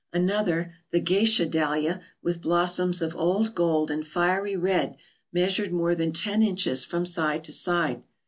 An other, the Geisha dahlia, with blossoms of old gold and fiery red, measured more than ten inches from side to side.